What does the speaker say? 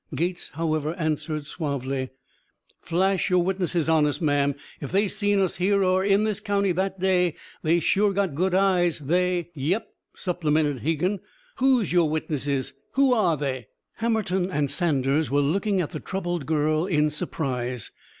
Gates, however, answered suavely: "Flash your witnesses on us, ma'am. If they seen us here or in this county that day they sure got good eyes. They " "Yep!" supplemented Hegan. "Who's your witnesses? Who are they?" Hammerton and Saunders were looking at the troubled girl in surprise.